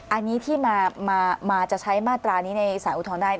อันนี้ที่มาจะใช้มาตรานี้ในสารอุทธรณ์ได้